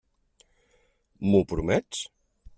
M'ho promets?